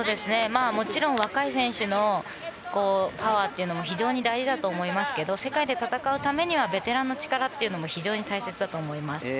もちろん若い選手のパワーというのも非常に大事だと思いますが世界で戦うためにはベテランの力というのも非常に大切だと思います。